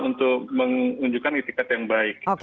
untuk menunjukkan etikat yang baik